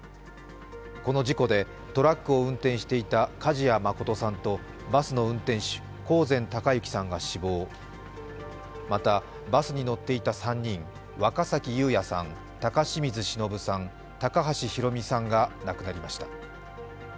この事故で、トラックを運転していた梶谷誠さんと、バスの運転手、興膳孝幸さんが死亡、またバスに乗っていた３人、若崎友哉さん、高清水忍さん、高橋裕美さんが亡くなりました。